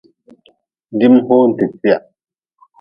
Dim-hoonte-tia.